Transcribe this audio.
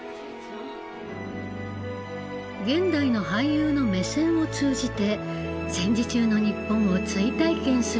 現代の俳優の目線を通じて戦時中の日本を追体験する試み。